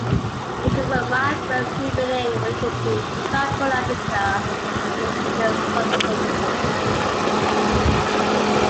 It is a migrant moving in winter to tropical Africa and the Indian Subcontinent.